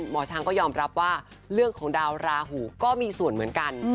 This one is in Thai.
หมอช้างก็ยอมรับว่าเรื่องของดาวราหูก็มีส่วนเหมือนกัน